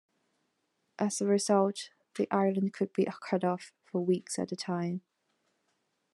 As a result the island could be cut off for weeks at a time.